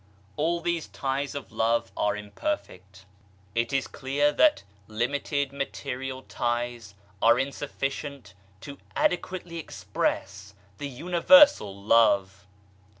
All these ties of Love are imperfect. It is clear that 32 THE UNIVERSAL LOVE limited material ties, are insufficient to adequately express the Universal Love.